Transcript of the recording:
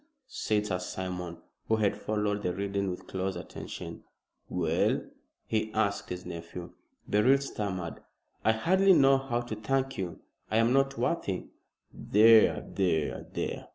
said Sir Simon, who had followed the reading with close attention. "Well?" he asked his nephew. Beryl stammered. "I hardly know how to thank you. I am not worthy " "There there there!"